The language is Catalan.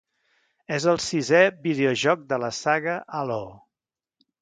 És el sisè videojoc de la saga Halo.